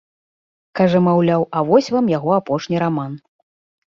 Кажа, маўляў, а вось вам яго апошні раман!